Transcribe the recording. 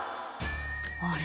「あれ？